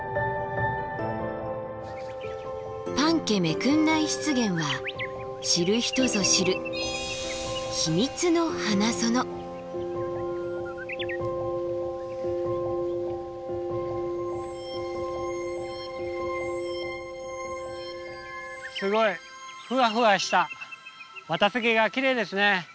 パンケメクンナイ湿原は知る人ぞ知るすごいふわふわしたワタスゲがきれいですね。